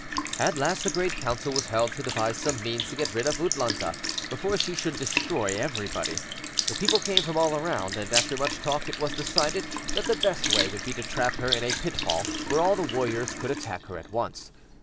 At last a great council was held to devise some means to get rid of U'tlûñ'ta before she should destroy everybody. The people came from all around, and after much talk it was decided that the best way would be to trap her in a pitfall where all the warriors could attack her at once.